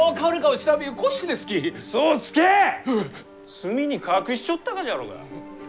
隅に隠しちょったがじゃろうが。